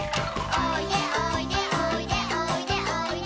「おいでおいでおいでおいでおいで」